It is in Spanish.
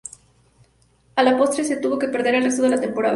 A la postre, se tuvo que perder el resto de la temporada.